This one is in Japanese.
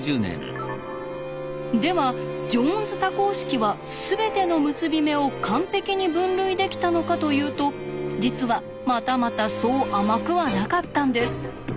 ではジョーンズ多項式は全ての結び目を完璧に分類できたのかというと実はまたまたそう甘くはなかったんです。